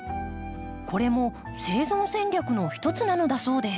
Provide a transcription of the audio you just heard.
これも生存戦略の一つなのだそうです。